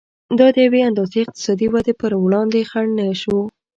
دا د یوې اندازې اقتصادي ودې پر وړاندې خنډ نه شو.